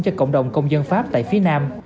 cho cộng đồng công dân pháp tại phía nam